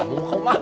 kamu mau ke rumah